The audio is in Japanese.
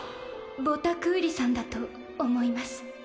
ボタクーリさんだと思います